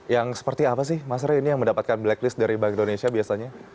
yang seperti apa sih mas ray ini yang mendapatkan blacklist dari bank indonesia biasanya